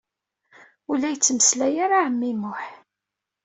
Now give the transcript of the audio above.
Ur la yettmeslay ara ɛemmi Muḥ.